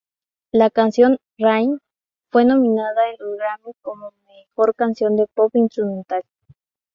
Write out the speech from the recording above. La canción "Rain" fue nominada en los Grammy como mejor canción de pop instrumental.